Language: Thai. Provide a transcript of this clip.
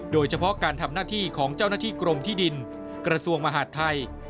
โดยเฉพาะการทำหน้าที่ของเจ้าหน้าที่กรมที่ดินกระทรวงมหาดไทย